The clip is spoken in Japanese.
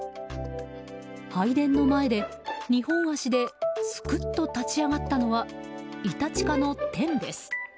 拝殿の前で２本足ですくっと立ち上がったのはイタチ科のテンです。